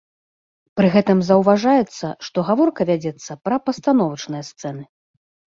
Пры гэтым заўважаецца, што гаворка вядзецца пра пастановачныя сцэны.